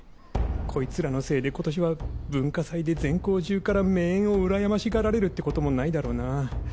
コイツらのせいで今年は文化祭で全校中から女園を羨ましがられるってこともないだろうな。